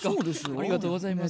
ありがとうございます。